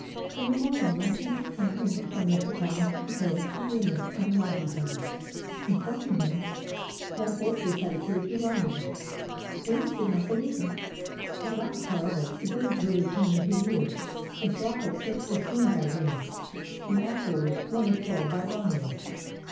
In the morning a messenger came over from the Pala tine hill to Remus on the Aventine, informing him that vultures had appeared to Romulus. Remus did not believe it. At last, however, the birds really came into view; a flock of six were seen by Remus, and after 2S7 ROME ward one of twelve by Romulus.